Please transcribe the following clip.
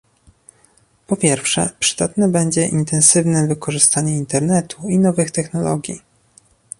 Po pierwsze, przydatne będzie intensywne wykorzystanie Internetu i nowych technologii